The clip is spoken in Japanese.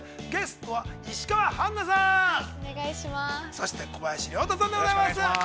◆そして小林亮太さんでございます。